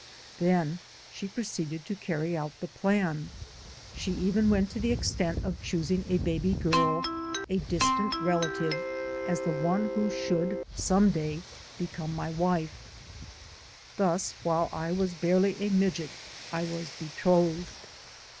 Then she proceeded to carry out the plan. She even went to the extent of choosing a baby girl, a distant relative, as the one who should some day become my wife. Thus while I was barely a midget, I was betrothed.